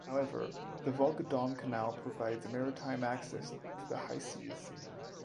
However, the Volga-Don canal provides a maritime access to the high seas.